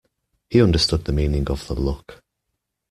He understood the meaning of the look.